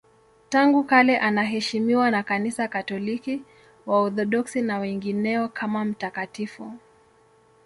Tangu kale anaheshimiwa na Kanisa Katoliki, Waorthodoksi na wengineo kama mtakatifu.